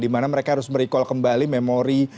di mana mereka harus merecall kembali memori